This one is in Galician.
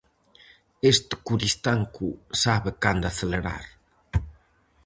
Este Coristanco sabe cando acelerar.